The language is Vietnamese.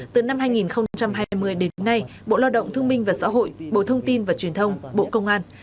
từ năm hai nghìn hai mươi đến nay bộ lao động thương minh và xã hội bộ thông tin và truyền thông bộ công an